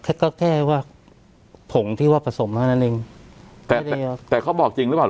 แค่ก็แค่ว่าผงที่ว่าผสมเท่านั้นเองแต่แต่เขาบอกจริงหรือเปล่า